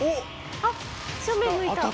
あっ正面向いた。